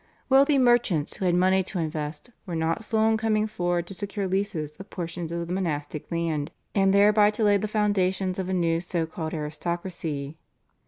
Wealthy merchants who had money to invest were not slow in coming forward to secure leases of portions of the monastic land and thereby to lay the foundations of a new so called aristocracy.